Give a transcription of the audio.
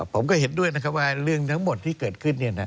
ผมก็เห็นด้วยนะครับว่าเรื่องทั้งหมดที่เกิดขึ้น